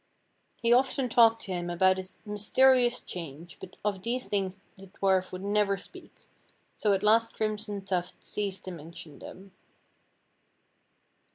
He often talked to him about his mysterious change, but of these things the dwarf would never speak, so at last Crimson Tuft ceased to mention them.